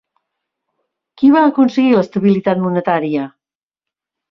Qui va aconseguir l'estabilitat monetària?